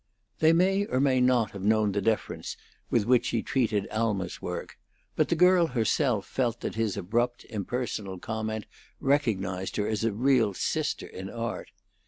They may or may not have known the deference with which he treated Alma's work; but the girl herself felt that his abrupt, impersonal comment recognized her as a real sister in art.